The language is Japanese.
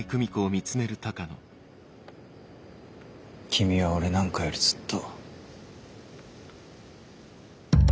君は俺なんかよりずっと。